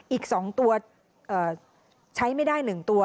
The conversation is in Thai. อีก๒ตัวใช้ไม่ได้๑ตัว